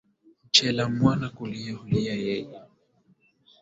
Mchelea mwana kulia hulia yeye